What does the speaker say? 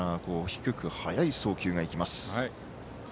低く速い送球がいきます。